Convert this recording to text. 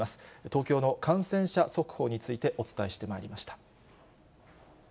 東京の感染者速報についてお伝えしてまいりました。